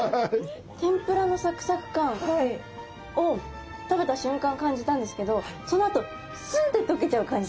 天ぷらのサクサク感を食べた瞬間感じたんですけどそのあとスンッて溶けちゃう感じ。